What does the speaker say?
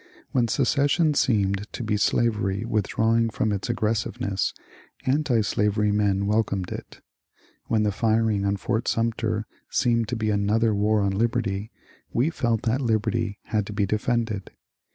When secession seemed to be slavery withdraw ing from its aggressiveness, antislavery men welcomed it; when the firing on Fort Sumter seemed to be another war on liberty, we felt that liberty had to be defended.